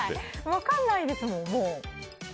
分かんないですもん、もう。